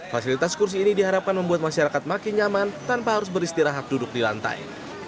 fasilitas kursi ini diharapkan membuat masyarakat makin nyaman tanpa harus beristirahat duduk di lantai